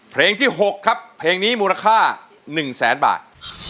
เพลงที่๖ครับเพลงนี้มูลค่า๑แสนบาท